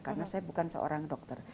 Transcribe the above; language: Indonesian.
karena saya bukan seorang dokter